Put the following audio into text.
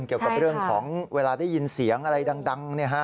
เกี่ยวกับเรื่องของเวลาได้ยินเสียงอะไรดัง